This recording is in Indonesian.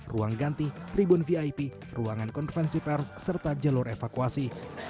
ruang ganti tribun vip ruangan konferensi pers serta jalur evakuasi